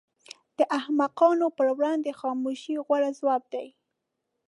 د احمقانو پر وړاندې خاموشي غوره ځواب دی.